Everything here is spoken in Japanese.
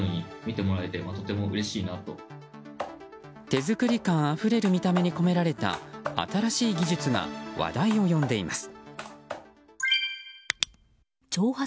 手作り感あふれる見た目に込められた新しい技術が話題を呼んでいます。